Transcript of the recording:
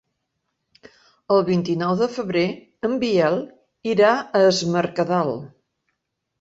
El vint-i-nou de febrer en Biel irà a Es Mercadal.